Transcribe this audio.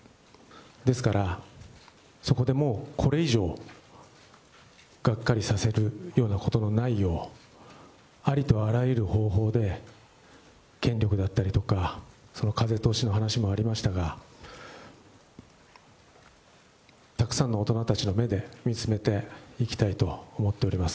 ですから、そこでもうこれ以上、がっかりさせるようなことのないよう、ありとあらゆる方法で、権力だったりとか、その風通しの話もありましたが、たくさんの大人たちの目で見つめていきたいと思っています。